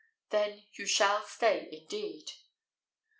"Then you shall stay indeed."